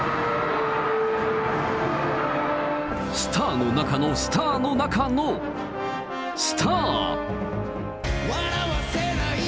スターの中のスターの中のスター。